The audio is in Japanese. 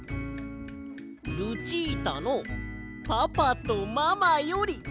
「ルチータのパパとママより」。